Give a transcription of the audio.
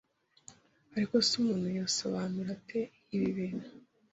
Ariko se umuntu yasobanura ate ibi bintu